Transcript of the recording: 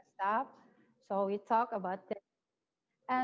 jadi kami akan membicaranya